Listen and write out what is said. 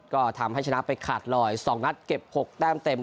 ก็ทำให้ชนะไปขาดลอย๒นัดเก็บ๖แต้มเต็ม